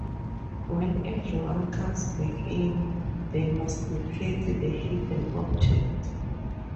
When everyone comes back in, they must locate the hidden object.